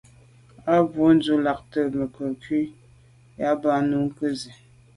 A bwô ndù be lagte nukebwô yub à ba nu ke ze.